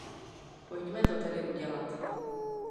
Pojďme to tedy udělat.